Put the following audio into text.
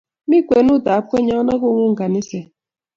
Mi kwenut ap konyun ak kong'ung' kaniset.